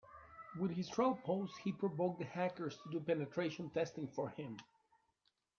With his troll post he provoked the hackers to do penetration testing for him.